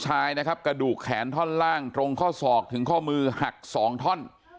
ชายนะครับกระดูกแขนท่อนล่างตรงข้อศอกถึงข้อมือหักสองท่อน